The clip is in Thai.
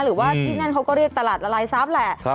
หรือว่าที่นั่นเขาก็เรียกตลาดละลายทรัพย์แหละ